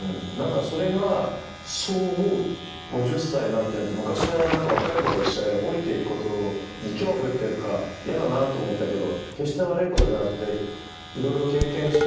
それが５０歳になってみて昔は若いころって老いていく恐怖っていうかやだなと思ったけど決して悪いことじゃなくて色々経験して。